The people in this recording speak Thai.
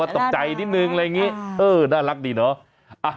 อ้าวตกใจนิดนึงน่ารักดีเนอะ